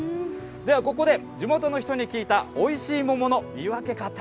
ではここで地元の人に聞いた、おいしい桃の見分け方。